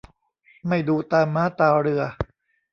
ไม่ดูตาม้าตาเรือ